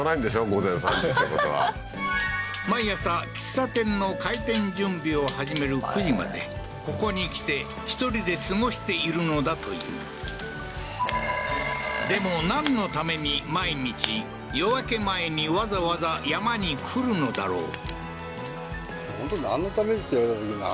午前３時ってことは毎朝喫茶店の開店準備を始める９時までここに来て１人で過ごしているのだというでも何のために毎日夜明け前にわざわざ山に来るのだろう？